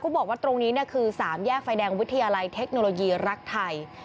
บอกว่าตรงนี้คือ๓แยกไฟแดงวิทยาลัยเทคโนโลยีรักไทย